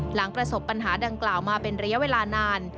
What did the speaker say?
หลังประสบปัญหาดังกล่าวมาเป็นระยะเวลานาน